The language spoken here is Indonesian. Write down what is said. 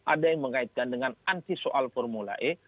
ada yang mengaitkan dengan anti soal formula e